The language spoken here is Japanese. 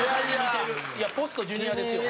いやポストジュニアですよ。